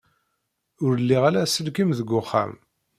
Ur liɣ ara aselkim deg uxxam.